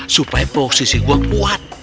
supaya posisi gua kuat